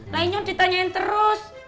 lainnya ditanyain terus